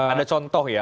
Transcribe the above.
ada contoh ya